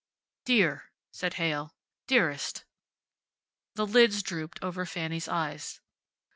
"Dear," said Heyl. "Dearest." The lids drooped over Fanny's eyes.